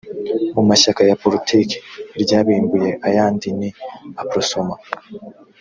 mu mashyaka ya politiki iryabimbuye ayandi ni aprosoma